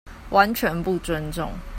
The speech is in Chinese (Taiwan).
完全不尊重